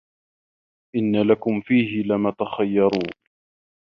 إِنَّ لَكُم فيهِ لَما تَخَيَّرونَ